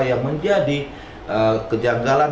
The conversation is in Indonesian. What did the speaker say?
yang menjadi kejanggalan